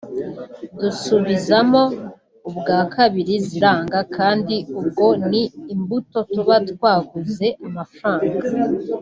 dusubizamo ubwa kabiri ziranga kandi ubwo ni imbuto tuba twaguze amafaranga